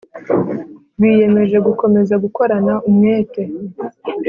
biyemeje gukomeza gukorana umwete